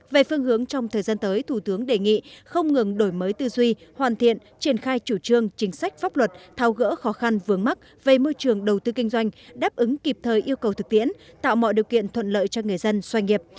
về phương hướng trong thời gian tới thủ tướng đề nghị không ngừng đổi mới tư duy hoàn thiện triển khai chủ trương chính sách pháp luật thao gỡ khó khăn vướng mắt về môi trường đầu tư kinh doanh đáp ứng kịp thời yêu cầu thực tiễn tạo mọi điều kiện thuận lợi cho người dân xoay nghiệp